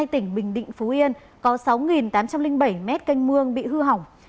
hai tỉnh bình định phú yên có sáu tám trăm linh bảy mét canh mương bị hư hỏng